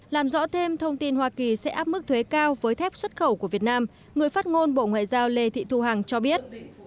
làm rõ thêm thông tin hoa kỳ sẽ áp mức thuế cao với thép xuất khẩu của việt nam người phát ngôn bộ ngoại giao lê thị thu hằng cho biết